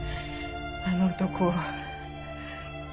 あの男を。